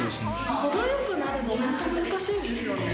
ほどよくなるのは本当難しいんですよね。